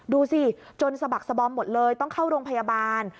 ดูสิจนสะบักสบอมหมดเลยต้องเข้าโรงพยาบาล